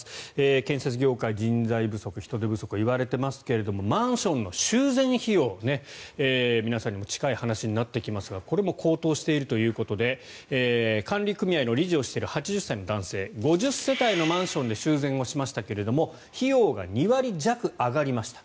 建設業界、人材不足人手不足と言われていますがマンションの修繕費用皆さんにも近い話にもなってきますがこれも高騰しているということで管理組合の理事をしている８０歳の男性５０世帯のマンションで修繕をしましたけれども費用が２割弱上がりました。